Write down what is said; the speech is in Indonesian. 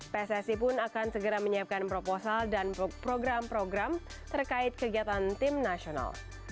pssi pun akan segera menyiapkan proposal dan program program terkait kegiatan tim nasional